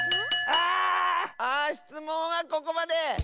あしつもんはここまで！